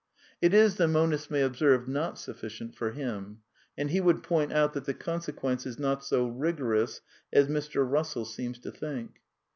It is, the monist may observe, not sufficient for him; and he would point out that the consequence is not so rigorous as Mr. Russell seems to think.